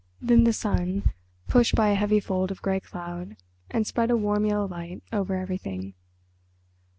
Then the sun pushed by a heavy fold of grey cloud and spread a warm yellow light over everything.